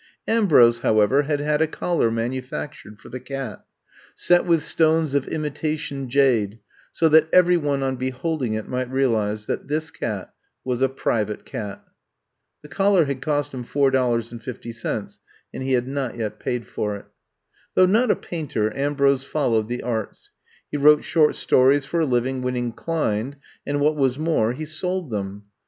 Ambrose, however, had had a collar manufactured for the cat, set with stones of imitation jade, so that every one on beholding it might realize that this cat was a private cat. The collar had cost him $4.50 and he had not yet paid for it. Though not a painter, Ambrose followed the arts. He wrote short stories for a liv ing when inclined, and what was more, he sold them.